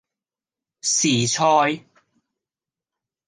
時菜